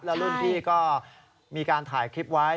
แล้วรุ่นพี่ก็มีการถ่ายคลิปไว้